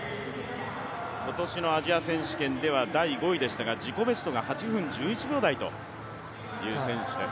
今年のアジア選手権では５位でしたが自己ベストは８分１１秒台という選手です。